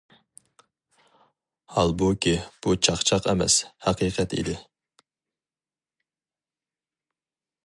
ھالبۇكى، بۇ چاقچاق ئەمەس، ھەقىقەت ئىدى.